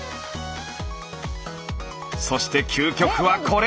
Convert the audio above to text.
そして究極はこれ！